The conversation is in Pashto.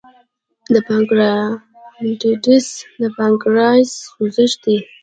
د پانکریاتایټس د پانکریاس سوزش دی.